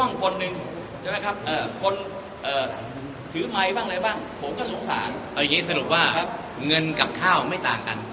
งี้ประสบกระทับว่าเงินกับข้าวไม่ต่างกัน